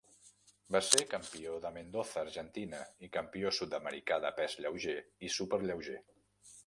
Va ser campió de Mendoza, Argentina, i campió sud-americà de pes lleuger i superlleuger.